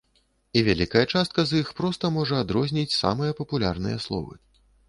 І вялікая частка з іх проста можа адрозніць самыя папулярныя словы.